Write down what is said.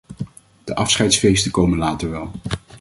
De afscheidsfeesten komen later wel.